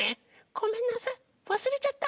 ・ごめんなさいわすれちゃった。